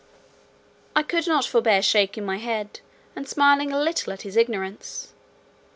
I could not forbear shaking my head, and smiling a little at his ignorance.